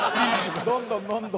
どんどんどんどん。